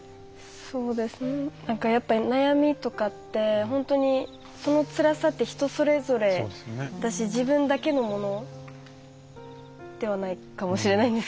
そうですね何かやっぱ悩みとかって本当にそのつらさって人それぞれだし自分だけのものではないかもしれないんですけど。